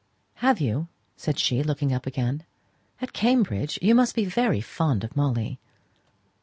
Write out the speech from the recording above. "Have you?" said she, looking up again. "At Cambridge? You must be very fond of Molly!"